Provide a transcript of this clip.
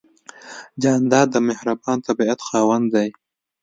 جانداد د مهربان طبیعت خاوند دی.